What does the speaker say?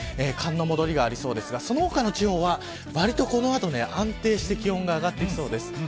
寒の戻りがありそうですがその他の地方は、わりとこの後安定して気温が上がってきそうです。